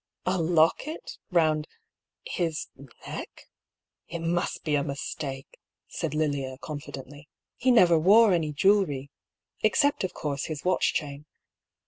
" A locket — round — his — neck ? It must be a mis take," said Lilia, confidently. " He never wore any jew ellery — except, of course, his watchchain.